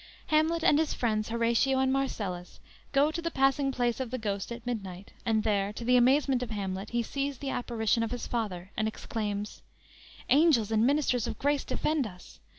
_ Hamlet and his friends, Horatio and Marcellus, go to the passing place of the Ghost at midnight, and there, to the amazement of Hamlet, he sees the apparition of his father, and exclaims: _"Angels and ministers of grace defend us!